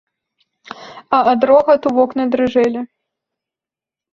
А ад рогату вокны дрыжэлі.